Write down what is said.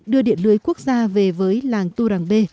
đưa điện lưới quốc gia về với làng tu rằng b